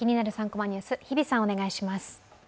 ３コマニュース」、日比さん、お願いします。